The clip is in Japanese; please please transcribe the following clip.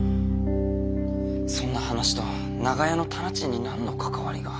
そんな話と長屋の店賃に何の関わりが？